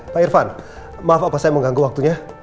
pak irfan maaf apa saya mengganggu waktunya